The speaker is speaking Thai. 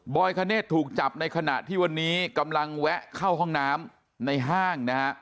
คเนธถูกจับในขณะที่วันนี้กำลังแวะเข้าห้องน้ำในห้างนะฮะ